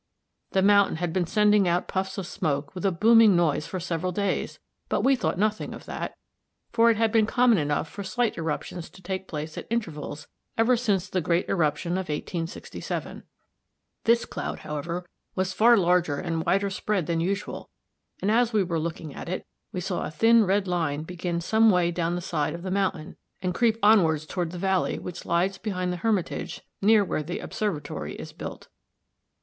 The mountain had been sending out puffs of smoke, with a booming noise, for several days, but we thought nothing of that, for it had been common enough for slight eruptions to take place at intervals ever since the great eruption of 1867. This cloud, however, was far larger and wider spread than usual, and as we were looking at it we saw a thin red line begin some way down the side of the mountain and creep onwards toward the valley which lies behind the Hermitage near where the Observatory is built (see Fig.